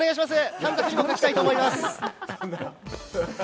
短冊にも書きたいと思います。